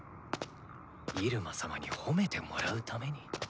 ⁉入間様に褒めてもらうために。